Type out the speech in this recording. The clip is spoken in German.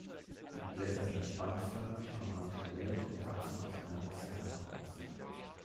Die Blätter sind bandförmig, am Rand gewellt und wachsen aus einer Rosette heraus.